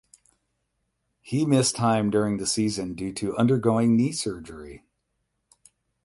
He missed time during the season due to undergoing knee surgery.